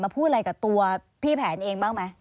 ไม่ใช่ผม